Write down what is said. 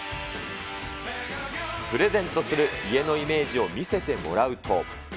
プレゼントする家のイメージを見せてもらうと。